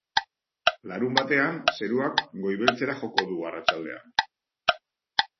Larunbatean, zeruak goibeltzera joko du arratsaldean.